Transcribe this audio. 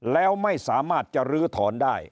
แล้วไม่สามารถจะลื้อถอนได้